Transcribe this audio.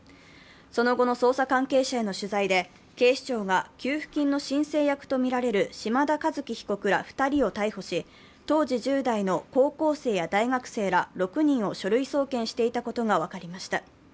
その後の捜査関係者への取材で警視庁が給付金の申請役とみられる島田和樹被告ら２人を逮捕し、当時１０代の高校生や大学生ら６人を書類送検していたことが分かりました。